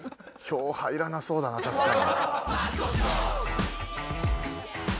票入らなそうだな確かに。